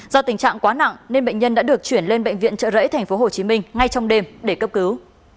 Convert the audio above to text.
do tình trạng quá nặng nên bệnh nhân đã được chuyển lên bệnh viện trợ rẫy tp hcm ngay trong đêm để cấp cứu